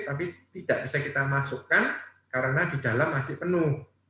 tapi tidak bisa kita masukkan karena di dalam masih penuh